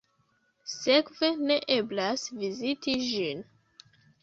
Sekve ne eblas viziti ĝin.